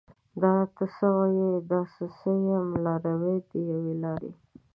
دا ته څه یې؟ دا زه څه یم؟ لاروي د یوې لارې